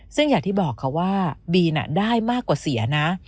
ซึ่งอย่างที่บอกค่ะว่าบีนได้มากกว่าเสียนะ